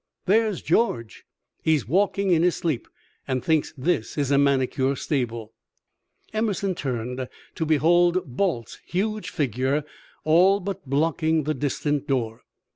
There's George. He's walking in his sleep, and thinks this is a manicure stable." Emerson turned to behold Balt's huge figure all but blocking the distant door.